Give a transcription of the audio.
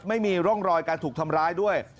ไม่มีร่องรอยการถูกทำร้ายด้วย